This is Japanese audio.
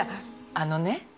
「あのね」